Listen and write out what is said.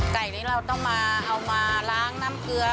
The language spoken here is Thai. ไก่นี้เราต้องมาเอามาล้างน้ำเกลือ